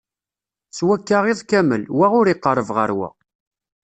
S wakka iḍ kamel, wa ur iqerreb ɣer wa.